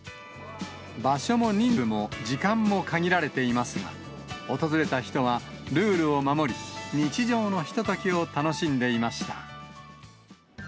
場所も人数も時間も限られていますが、訪れた人は、ルールを守り、日常のひとときを楽しんでいました。